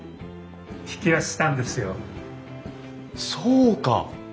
そうか！